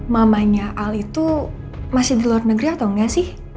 mamanya al itu masih di luar negeri atau enggak sih